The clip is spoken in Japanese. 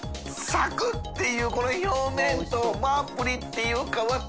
サクッていうこの表面とプリッていう皮と。